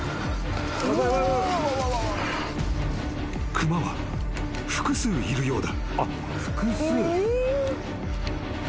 ［熊は複数いるようだ］